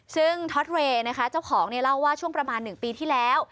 ซึ่งท็อตเวย์นะคะเจ้าของเนี่ยเล่าว่าช่วงประมาณ๑ปีที่แล้ว